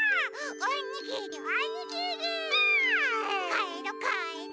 かえろかえろ！